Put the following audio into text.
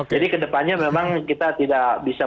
jadi kedepannya memang kita tidak bisa